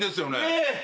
ええ。